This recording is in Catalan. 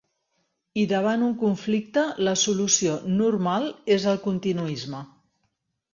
I davant un conflicte, la solució “normal” és el continuisme.